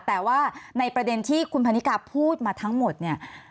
แต่ว่าในประเด็นที่คุณพันนิกาพูดมาทั้งหมดเนี่ย